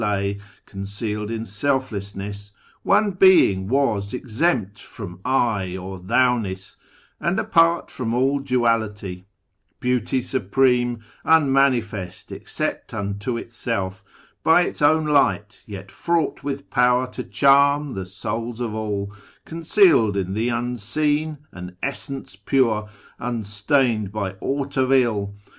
\ 126 A YEAR AMONGST THE PERSIANS Concealed in selflessness, One Beinf:; was Exempt from ' I ' or 'Thou ' ness, and apart From all duality ; Beauty Supreme, Unniauifest, except unto Itself By Its own lij, dit, yet fraught with power to charm The souls of all ; concealed in the Unseen, An Essence pure, unstained by aught of ill.